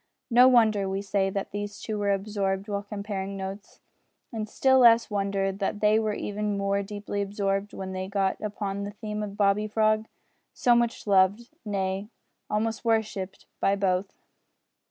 No wonder, we say, that these two were absorbed while comparing notes, and still less wonder that they were even more deeply absorbed when they got upon the theme of Bobby Frog so much loved, nay, almost worshipped, by both.